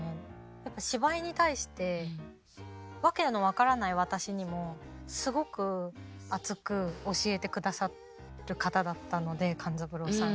やっぱ芝居に対して訳の分からない私にもすごく熱く教えて下さる方だったので勘三郎さんが。